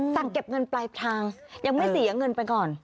เก็บเงินปลายทางยังไม่เสียเงินไปก่อน